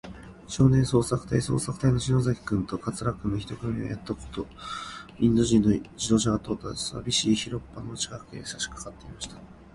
少年捜索隊そうさくたいの篠崎君と桂君の一組は、やっとのこと、インド人の自動車が通ったさびしい広っぱの近くへ、さしかかっていました。